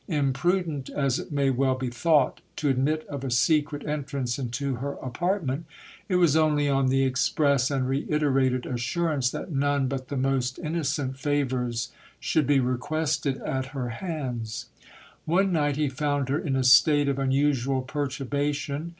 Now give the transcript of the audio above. Imprudent as it may well be thought, to admit of a secret entrance into her apartment, it was only on the express and reiterated assurance that none but the most innocent favours should be requested at her hands. One night he found her in a state of unusual perturbation.